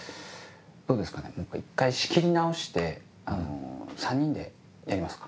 どうですかね一回仕切り直して３人でやりますか？